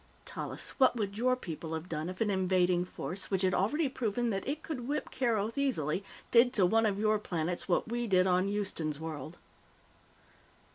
"Tallis, what would your people have done if an invading force, which had already proven that it could whip Keroth easily, did to one of your planets what we did on Houston's World?"